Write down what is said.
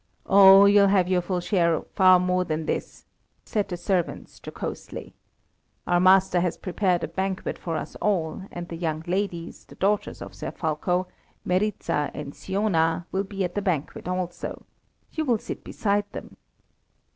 "Oh, you'll have your full share of far more than this," said the servants, jocosely. "Our master has prepared a banquet for us all, and the young ladies, the daughters of Sir Fulko, Meryza and Siona, will be at the banquet also. You will sit beside them."